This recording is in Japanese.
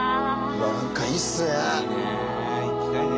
何かいいっすね。